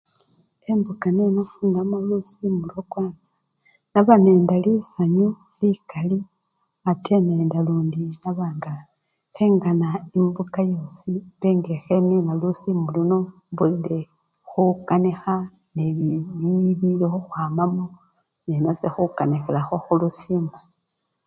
Embuka niyo nafunilamu lusiku lwakwanza, nabanende lisanyu likali ate nende lundi naba nga khengana embuka yosi imbe nga khemina lusimu luno embulile khukanikha u! i! u! bilikhukhwamamo, nenase khukanikhilakho khulusimu.